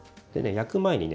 焼く前にね